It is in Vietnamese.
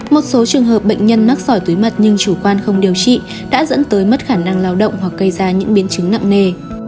một số trường hợp bệnh nhân mắc sỏi túi mật nhưng chủ quan không điều trị đã dẫn tới mất khả năng lao động hoặc gây ra những biến chứng nặng nề